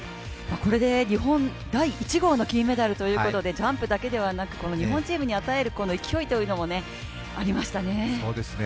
これで日本第１号の金メダルということで、ジャンプだけではなく、日本チームに与える勢いもありましたね。